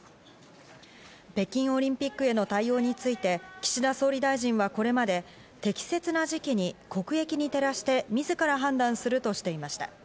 北京オリンピックへの対応について、岸田総理大臣はこれまで適切な時期に国益に照らして、自ら判断するとしていました。